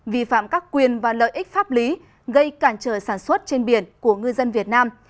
vi phạm các quyền và lợi ích pháp lý gây cản trở sản xuất trên biển của ngư dân việt nam